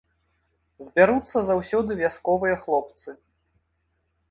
Збяруцца заўсёды вясковыя хлопцы.